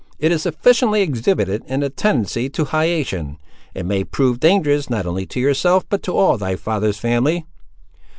It is sufficiently exhibited in the tendency to hiation, and may prove dangerous not only to yourself, but to all thy father's family."